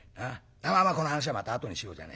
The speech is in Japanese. まあまあこの話はまたあとにしようじゃねえか。